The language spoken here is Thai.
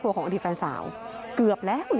พระคุณที่อยู่ในห้องการรับผู้หญิง